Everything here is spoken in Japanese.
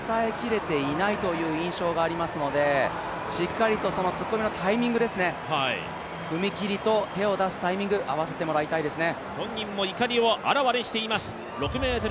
力を伝えきれていないという印象がありますのでしっかりとその突っ込みのタイミングですね、踏み切りと手を出すタイミング、合わせてもらいたいですね。